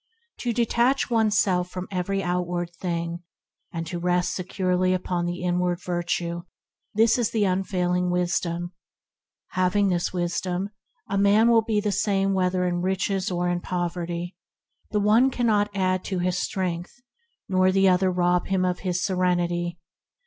To detach oneself from every outward thing, and to rest securely upon the inward Virtue, this is the Unfailing Wisdom. Hav ing this Wisdom, a man will be the same whether in riches or in poverty. The one can 108 THE HEAVENLY LIFE not add to his strength, nor the other rob him of his serenity.